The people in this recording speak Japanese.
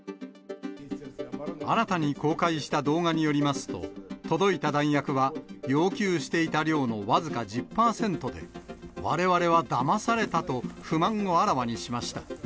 新たに公開した動画によりますと、届いた弾薬は、要求していた量の僅か１０％で、われわれはだまされたと、不満をあらわにしました。